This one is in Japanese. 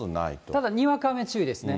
ただにわか雨注意ですね。